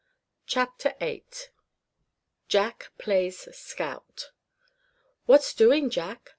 CHAPTER VIII JACK PLAYS SCOUT "What's doing, Jack?"